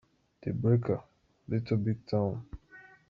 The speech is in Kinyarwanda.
"The Breaker" - Little Big Town.